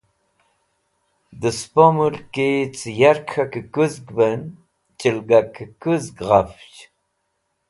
Dẽ spo mulkẽ cẽ yark k̃hakẽ kũzgvẽn chẽlgakẽ kuzg gafch.